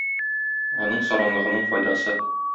Аның саранлыгының файдасы.